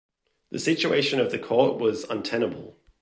The situation of the court was untenable.